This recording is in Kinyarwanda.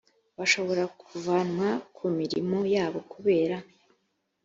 bashobora kuvanwa ku mirimo yabo kubera